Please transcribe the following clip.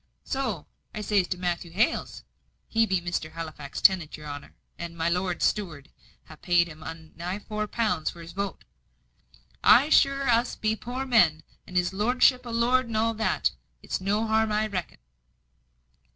So, as I zays to Matthew Hales (he be Mr. Halifax's tenant, your honour, and my lord's steward ha' paid 'un nigh four pound for his vote), I sure us be poor men, and his lordship a lord and all that it's no harm, I reckon."